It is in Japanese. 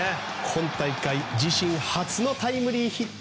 今大会自身初のタイムリーヒット。